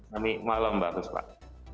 kami malam mbak terus pak